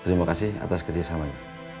terima kasih atas kerjasamanya